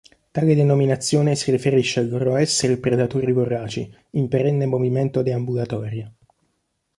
Tale denominazione si riferisce al loro essere predatori voraci, in perenne movimento deambulatorio.